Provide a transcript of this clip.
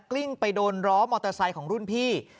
ลิ้งไปโดนล้อมอเตอร์ไซค์ของรุ่นพี่